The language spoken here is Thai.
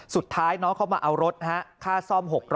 สุดท้ายน้องเขามาเอารถค่าซ่อม๖๐๐